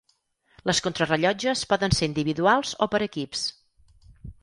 Les contrarellotges poden ser individuals o per equips.